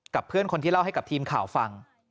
กับเพื่อนผู้เล่าให้กับทีมข่าวฟัง